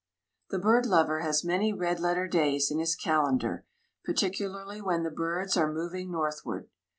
The bird lover has many red letter days in his calendar, particularly when the birds are moving northward.